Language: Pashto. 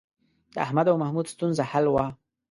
د احمد او محمود ستونزه حل وه.